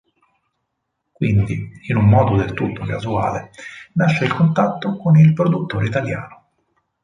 Quindi, in un modo del tutto casuale, nasce il contatto con il produttore italiano.